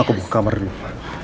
aku buka kamar dulu